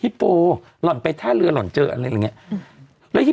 หิปโบหล่อนไปท่าเรือหล่อนเจออะไรแบบนี้